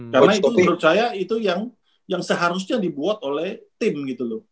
karena itu menurut saya itu yang seharusnya dibuat oleh tim gitu loh